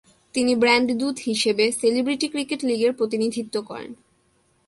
তিনি ব্র্যান্ড দূত হিসেবে সেলিব্রিটি ক্রিকেট লিগের প্রতিনিধিত্ব করেন।